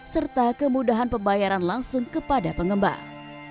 serta kemudahan pembayaran langsung kepada pengembang